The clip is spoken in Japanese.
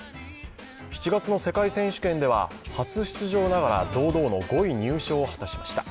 ７月の世界選手権では初出場ながら堂々の５位入賞を果たしました。